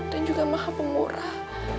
dan juga maha penggurah